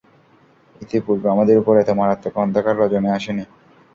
ইতিপূর্বে আমাদের উপর এতো মারাত্মক অন্ধকার রজনী আসেনি।